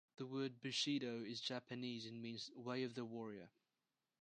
The word "bushido" is Japanese and means "Way of the Warrior".